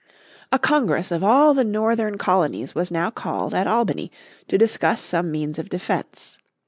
A Congress of all the Northern Colonies was now called at Albany to discuss some means of defense.